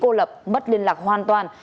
không bị cô lập mất liên lạc hoàn toàn